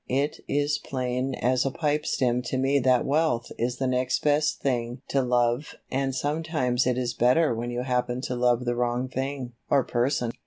It is plain as a pipe stem to me that wealth is the next best thing to love and sometimes it is better when you happen to love the wrong thing or person."